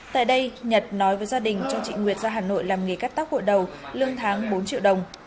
tại đây nhật nói với gia đình cho chị nguyệt ra hà nội làm nghề cắt tóc buổi đầu lương tháng bốn triệu đồng